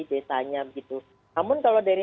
desanya gitu namun kalau dari